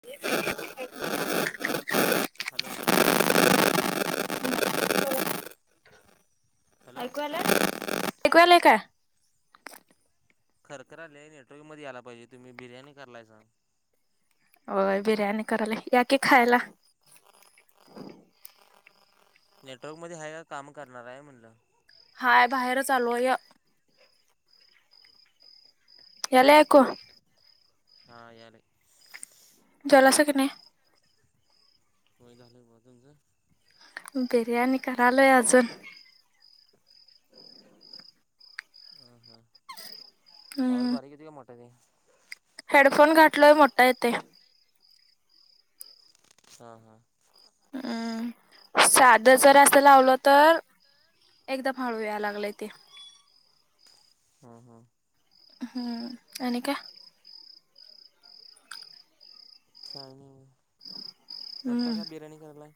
[inaudible] Hello hello ऐकू आलं ऐकू आलय का? खरखर आलय नेटवर्क मध्ये यायला पाहिजे तुम्ही बिर्याणी करलायसां होय बिर्याणी करालय, या की खायला. नेटवर्क मध्ये आहे का, काम करणार आहे म्हणलं? हाय, बाहेरच आलोय. ह्याला ऐकू हा, यालय. जेवलासा की नाही? होय, झालं बघा, तुमचं? बिर्याणी करालोय अजून. हा हा, आवाज हम्म बारीक येतोय काय मोठा येतोय? हेडफोन घाातलोय, मोठा येतोय. हा हा. हम्म! साध जर असं लावलं तर एकदम हळू याय लागलय ते. हम्म हम्म. हम्म! आणि काय? काही नाही, आता हम्म काय बिर्याणी करालाय?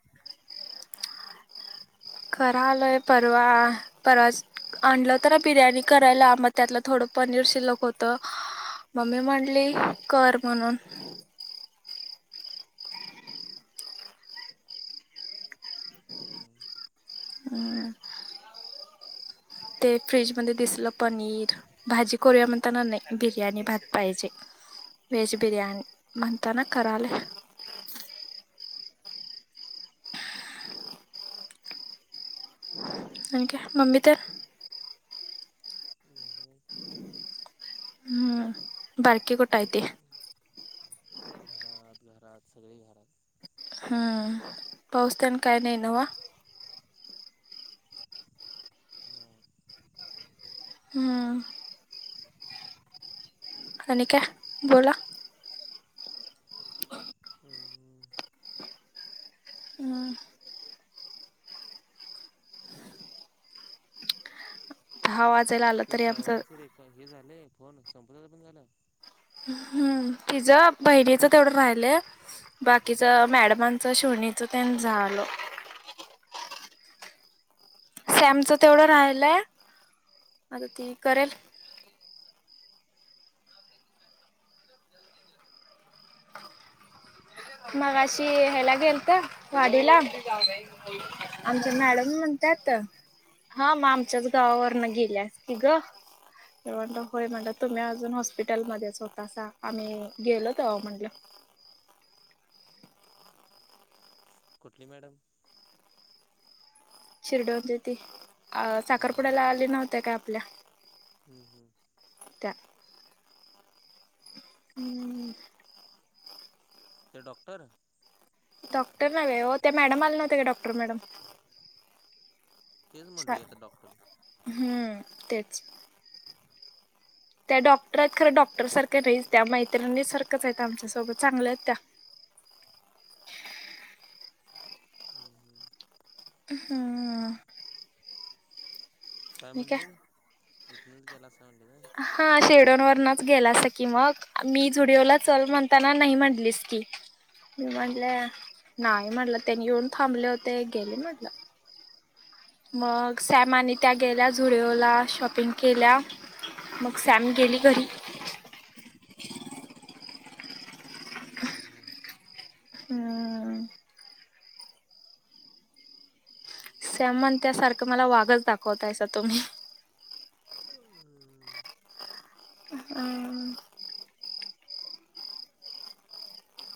करालोय परवा, परवा आणलं तर बिर्याणी करायला, मग त्यातलं थोडं पनीर शिल्लक होत. मम्मी म्हणली कर म्हणून. हम्म हम्म. हम्म! ते फ्रीजमध्ये दिसलं पनीर. भाजी करूया म्हणताना नाही, बिर्याणी भात पाहिजे. वेज बिर्याणी, म्हणताना करालय. आणि का? मम्मी तेन [unintelligible] [inaudible] हम्म! बारकी कुठ आहे ती? घरात, घरात, सगळी घरात. हम्म! पाऊस तेन काय नाही नव? नाही. हम्म! आणि काय? बोला. हम्म! हम्म! हा वाचायला ते सगळ्यांच रेख हे झालंय, फोन संपताच पण झालं. हम्म! तिचं बहिणीच तेवढं राहिलंय, बाकीच ज मॅडमांचं, शिवणीचं, तेन झालं. सॅमचं तेवढं राहिलय, आता ते करेल. मगाशी हेला गेलत, वाडीला. आमच्या मॅडम म्हणत्यात हा, म आमच्याच गावावरन गेल्या असती ग. तर म्हंटलं, होय म्हटलं, तुम्ही अजून हॉस्पिटलमध्येच होतासा आम्ही गेलं तव्हा म्हणलं. कुठली मॅड शिरडोण ची, अ हम्म साखरपुड्याला आली नव्हत्या काय आपल्या. हम्म-हम्म. त्या हम्म. तो डॉक्टर. डॉक्टर नव्हे ओ, त्या मॅडम आले नव्हते का. Doctor madam. तेच म्हटलं की आता डॉक्टर हम्म तेच. [inaudible] त्या डॉक्टरा आहेत, खरं डॉक्टर सारख्या नाहीच त्या मैत्रिणी सारखंच आहे. आमच्यासोबत चांगलं आहेत त्या. हम्म-हम्म. हं. काय म्हटलीस, इथनच गेलासा म्हटलीस हा शिरढोन वरनच गेलासा की मग, मी झुडिओला चल म्हणताना नाही म्हणलीस की. मी हम्म हम्म म्हटलं, नाही म्हटलं त्यांनी येऊन थांबले होते गेले म्हटलं. मग सॅम आणि त्या गेल्या झुडओला शॉपिंग केल्या मग सॅम गेली घरी. [inaudible] हम्-हम्म. हम्. सॅम म्हणत्या सारखं मला वाघच दाखवतायसा तुम्ही. हंम. हम.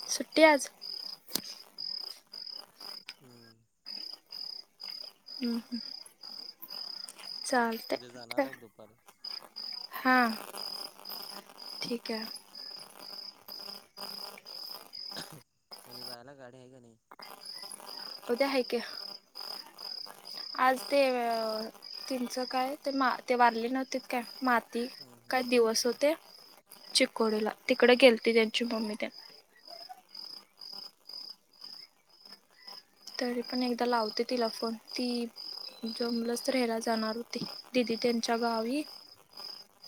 सुट्टी आज हम्म. हम्म-हम. उद्या जाणार आहेत दुपारी हा, ठीक आहे. [inaudible] उद्या जायला गाडी आहे का नाही. उद्या, आहे की. आज ते, तिचं काय, ते-ते वारले नव्हतीत काय म्हत ती हम्म काय हम्म हम्म दिवस हम्म होते, चिकोडीला तिकडे गेलती त्यांची मम्मी तेन तरी पण एकदा लावते तिला फोन, ती जमलच तर हेला जाणार होती, दिदी त्यांच्या गावी.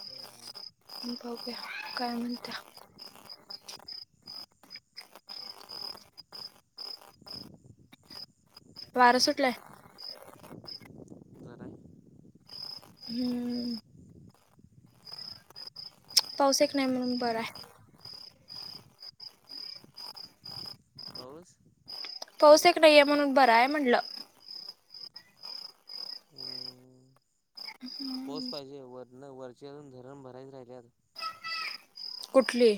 हम्म हम्म बघूया, काय म्हणत्या. वार सुटलंय. जरा आहे हम्म. पाऊस एक नाही म्हणून बरं हाय. पाऊस. पाऊस एक नाहीये म्हणून बरं हाय म्हटलं. हम. पाऊस पाहिजे, वरन वरचे अजून धरण भरायच राहिल्यात. कुठली.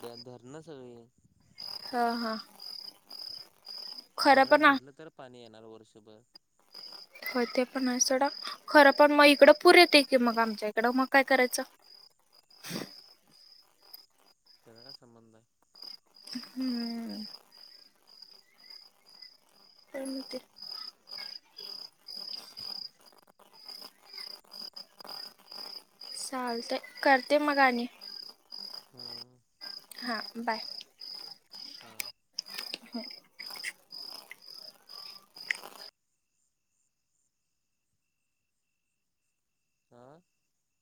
ध्यान धरणं सगळी. हां हां. खरं धरण पण आ- भरलं तर पाणी येणार वर्षभर. होय ते पण आहे सोडा खरं पण मग इकडं पुर येते की मग आमच्या इकडं मग काय करायचं? त्याचा काय संबंध आहे? हम्म. काय माहिते चालतय करते मग आणि हम्म. हां बाय. हां. होय. आं